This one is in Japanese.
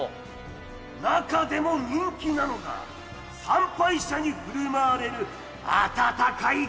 中でも人気なのが参拝者に振る舞われる温かいかぼちゃグルメ。